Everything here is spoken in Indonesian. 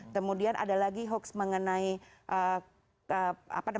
kemudian ada lagi hoax mengenai kotak suara yang sudah